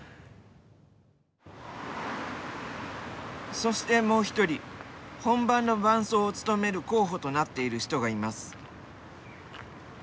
そしてもう一人本番の伴走を務める候補となっている人がいます。